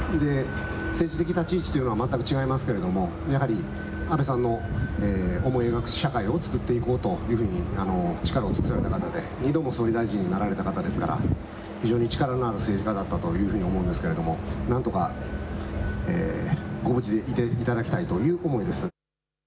政治的立ち位置というのは全く違いますけれどもやはり安倍さんの思い描く社会をつくっていこうというふうに力を尽くされた方で、２度も総理大臣になられた方ですから非常に力のある政治家だったと思うんですけれど、なんとかご無事でいていただきたいという思いです。